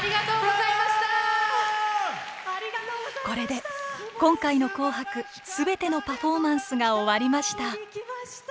これで今回の「紅白」すべてのパフォーマンスが終わりました。